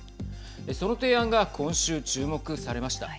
その提案が今週注目されました。